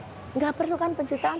tidak perlu kan pencitraan